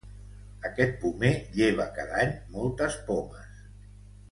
Aquest pomer lleva cada any moltes pomes.